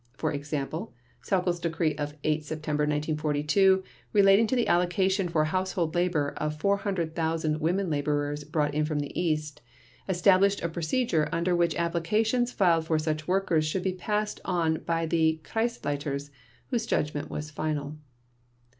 For example, Sauckel's decree of 8 September 1942, relating to the allocation for household labor of 400,000 women laborers brought in from the East, established a procedure under which applications filed for such workers should be passed on by the Kreisleiters, whose judgment was final.